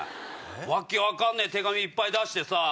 訳分かんねえ手紙いっぱい出してさ。